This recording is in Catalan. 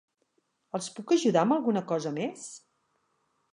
Els puc ajudar amb alguna cosa més?